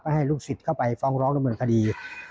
ให้ลูกศิษย์เข้าไปฟ้องร้องดำเนินคดี